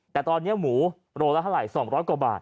แต่ตอนนี้หมูโลละเท่าไหร่๒๐๐กว่าบาท